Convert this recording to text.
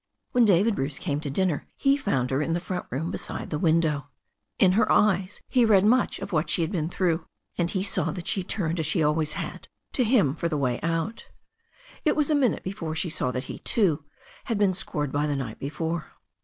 When David Bruce came to dinner he found her in the front room beside the window. In her eyes he read much of what she had been through, and he saw that she turned as she always had to him for the way out. It was a minute before she saw that he, too, had been scored by the night before.